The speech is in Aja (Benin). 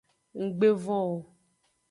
Nggbe von o.